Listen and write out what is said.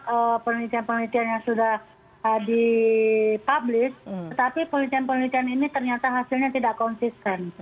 ada penelitian penelitian yang sudah dipublis tetapi penelitian penelitian ini ternyata hasilnya tidak konsisten